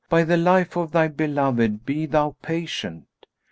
By the life of thy beloved, be thou patient!'